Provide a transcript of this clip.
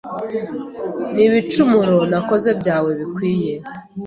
Ni ibicumuro nakoze byawe bikwiye